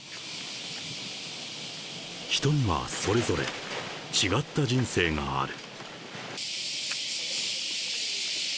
人にはそれぞれ違った人生がある。